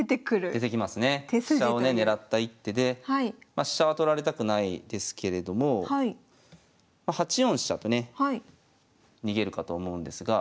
まあ飛車は取られたくないですけれども８四飛車とね逃げるかと思うんですが。